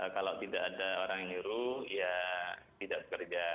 kalau tidak ada orang yang nyuruh ya tidak bekerja